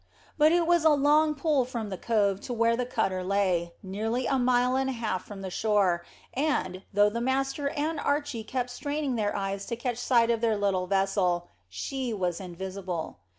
But it was a long pull from the cove to where the cutter lay, nearly a mile and a half from the shore, and, though the master and Archy kept straining their eyes to catch sight of their little vessel, she was invisible.